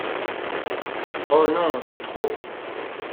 Oh ! non, c’est trop !…